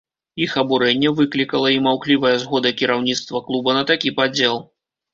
Іх абурэнне выклікала і маўклівая згода кіраўніцтва клуба на такі падзел.